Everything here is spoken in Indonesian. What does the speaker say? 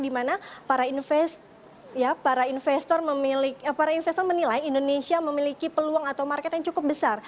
di mana para investor menilai indonesia memiliki peluang atau market yang cukup besar